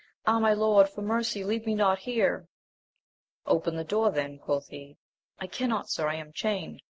Ah, my Lord, for mercy leave me not here ! Open the door then, quoth he. — I cannot, sir, I am chained.